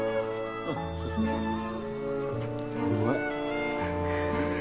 うまい。